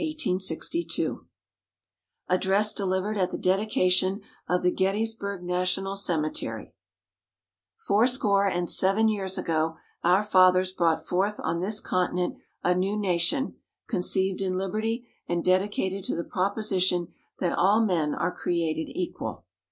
_ ADDRESS DELIVERED AT THE DEDICATION OF THE GETTYSBURG NATIONAL CEMETERY Fourscore and seven years ago our Fathers brought forth on this continent a new Nation, conceived in Liberty, and dedicated to the proposition that all men are created equal.